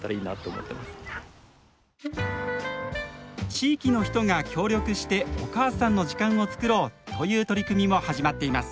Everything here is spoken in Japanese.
地域の人が協力してお母さんの時間をつくろうという取り組みも始まっています。